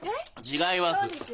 違います。